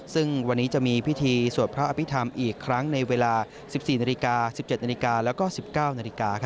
ซึ่งวันนี้จะมีพิธีสวัสดิ์พระอภิษฐรรมอีกครั้งในเวลา๑๔น๑๗น๑๙น